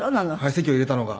籍を入れたのが。